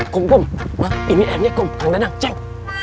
kum ini emnya kum kang dadang ceng